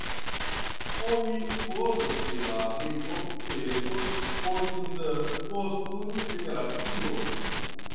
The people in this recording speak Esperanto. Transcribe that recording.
Oni supozas, ke la lingvo estos mortinta post unu generacio.